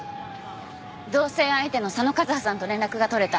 同棲相手の佐野和葉さんと連絡が取れた。